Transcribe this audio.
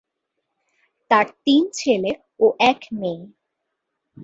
তার তিন ছেলে ও এক মেয়ে।